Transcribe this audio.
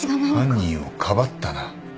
犯人をかばったな？